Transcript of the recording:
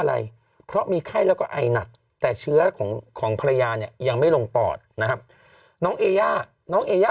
อะไรเพราะมีไข้แล้วก็ไอหนักแต่เชื้อของของพรรยาเนี่ยลงปอดน้ำน้องเอรีย